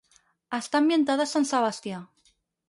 Està ambientada a Sant Sebastià.